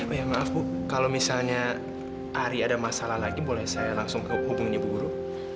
apa ya maaf bu kalau misalnya ari ada masalah lagi boleh saya langsung ke hubungi bu guru